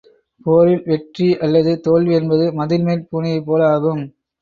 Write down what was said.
போரில் வெற்றி அல்லது தோல்வி என்பது மதில்மேற் பூனையைப் போல ஆகும்.